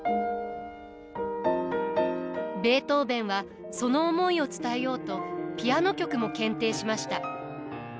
ベートーヴェンはその思いを伝えようとピアノ曲も献呈しました。